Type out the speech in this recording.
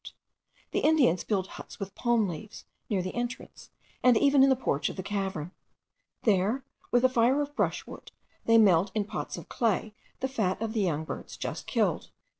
the Indians build huts with palm leaves, near the entrance, and even in the porch of the cavern. There, with a fire of brushwood, they melt in pots of clay the fat of the young birds just killed.